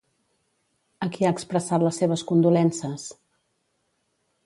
A qui ha expressat les seves condolences?